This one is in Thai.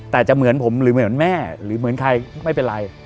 แต่จะเหมือนผมหรือเหมือนแม่หรือเหมือนใครไม่เป็นไร